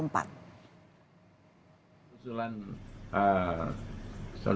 tentang kecurangan pemilu dua ribu dua puluh empat